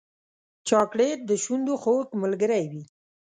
چاکلېټ د شونډو خوږ ملګری وي.